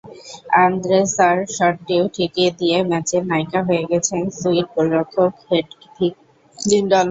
আন্দ্রেসার শটটিও ঠেকিয়ে দিয়ে ম্যাচের নায়িকা হয়ে গেছেন সুইড গোলরক্ষক হেডভিগ লিন্ডাল।